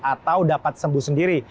atau dapat sembuh sendiri